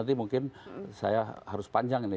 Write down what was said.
nanti mungkin saya harus panjang ini